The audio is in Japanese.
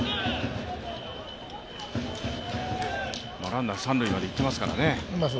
ランナー三塁まで行ってますからね。